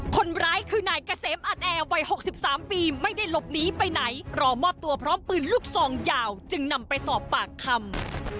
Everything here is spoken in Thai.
คนร้ายคือนายเกษมอัดแอร์วัย๖๓ปีไม่ได้หลบหนีไปไหนรอมอบตัวพร้อมปืนลูกซองยาวจึงนำไปสอบปากคำ